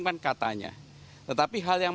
katanya tetapi hal yang